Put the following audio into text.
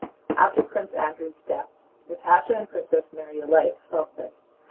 After Prince Andrew's death Natásha and Princess Mary alike felt this.